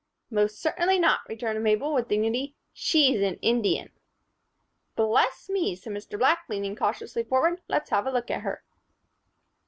"Most certainly not," returned Mabel, with dignity. "She's an Indian." "Bless me!" said Mr. Black, leaning cautiously forward. "Let's have a look at her."